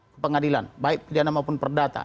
kepengadilan baik pidana maupun perdata